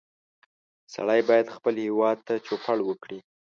سړی باید خپل هېواد ته چوپړ وکړي